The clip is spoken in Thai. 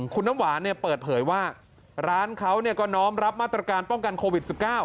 คุณน้ำหวานเปิดเผยว่าร้านเขาก็น้อมรับมาตรการป้องกันโควิด๑๙